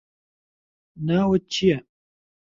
ناوت چییە؟